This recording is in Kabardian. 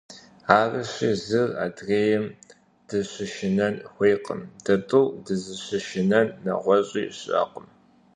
Арыщи зыр адрейм дыщышынэн хуейкъым, дэ тӀур дызыщышынэн нэгъуэщӀи щыӀэкъым.